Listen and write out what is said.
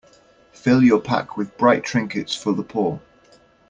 Fill your pack with bright trinkets for the poor.